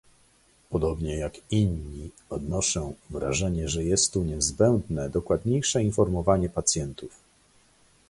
Podobnie jak inni odnoszę wrażenie, że jest tu niezbędne dokładniejsze informowanie pacjentów